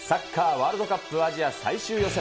ワールドカップアジア最終予選。